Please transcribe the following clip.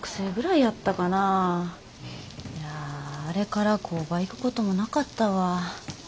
いやあれから工場行くこともなかったわ。